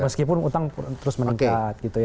meskipun utang terus meningkat